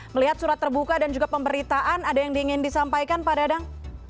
melihat surat terbuka dan juga pemberitaan ada yang ingin disampaikan pak dadang